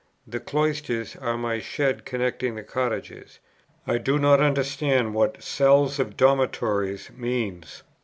The 'cloisters' are my shed connecting the cottages. I do not understand what 'cells of dormitories' means.